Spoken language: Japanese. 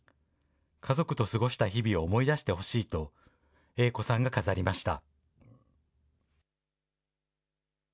家族と過ごした日々を思い出してほしいと、栄子さんが飾りました。